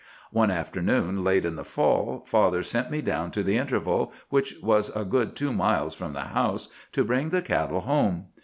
"One afternoon late in the fall, father sent me down to the interval, which was a good two miles from the house, to bring the cattle home.